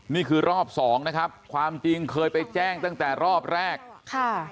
นี่คือรอบสองนะครับความจริงเคยไปแจ้งตั้งแต่รอบแรกค่ะ